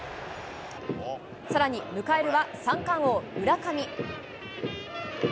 さらに迎えるは、三冠王、村上。